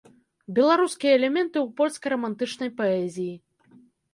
Беларускія элементы ў польскай рамантычнай паэзіі.